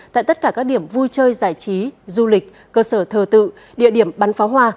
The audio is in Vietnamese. tại tất cả các điểm vui chơi giải trí du lịch cơ sở thờ tự địa điểm bắn pháo hoa